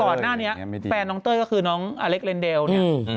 ก่อนหน้านี้แฟนน้องเต้ยก็คือน้องอเล็กเรนเดลเนี่ย